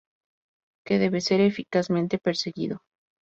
que debe ser eficazmente perseguido